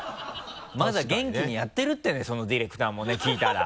まだ元気にやってるってねそのディレクターもね聞いたら。